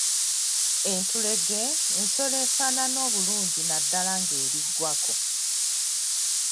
Entulege nsolo efaanana obulungi naddala ng’eri ggwako.